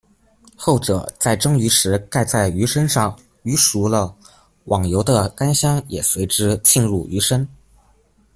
后者在蒸鱼时盖在鱼身上，鱼熟了，网油的甘香也随之沁入鱼身。